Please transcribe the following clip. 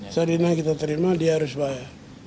sadinah kita terima dia harus bayar